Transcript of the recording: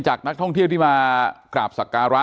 อ๋อเจ้าสีสุข่าวของสิ้นพอได้ด้วย